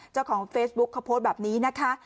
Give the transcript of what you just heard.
เจ้าของเฟซบุ๊คเขาโพสต์แบบนี้นะคะ